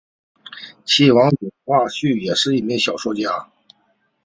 其子王震绪也是一名小说家。